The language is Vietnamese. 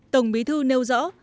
tổng bí thư nêu rõ